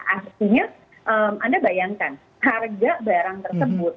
artinya anda bayangkan harga barang tersebut